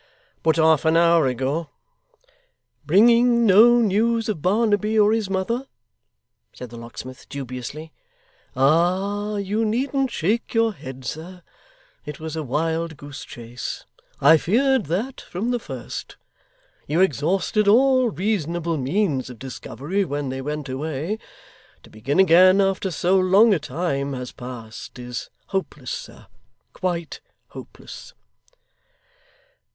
'But half an hour ago.' 'Bringing no news of Barnaby, or his mother?' said the locksmith dubiously. 'Ah! you needn't shake your head, sir. It was a wild goose chase. I feared that, from the first. You exhausted all reasonable means of discovery when they went away. To begin again after so long a time has passed is hopeless, sir quite hopeless.